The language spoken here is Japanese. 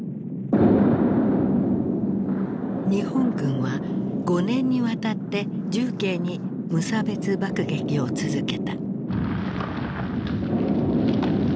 日本軍は５年にわたって重慶に無差別爆撃を続けた。